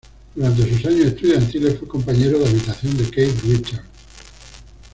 Durante sus años estudiantiles fue compañero de habitación de Keith Richards.